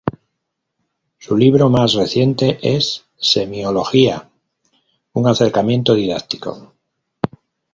Su libro más reciente es "Semiología: un acercamiento didáctico".